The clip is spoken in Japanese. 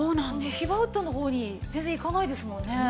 ヒバウッドの方に全然行かないですもんね。